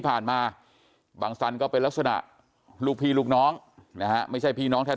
บางสันก็เป็นลักษณะลูกพี่ลูกน้องนะฮะไม่ใช่พี่น้องแท้